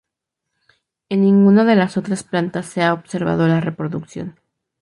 En ninguna de las otras plantas se ha observado la reproducción.